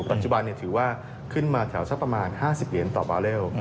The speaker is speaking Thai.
ปัจจุบันถือว่าขึ้นมาแถวช็อปประมาณ๕๐เยนต่อมาเร็ว